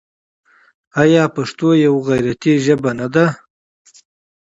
آیا پښتو یوه غیرتي ژبه نه ده؟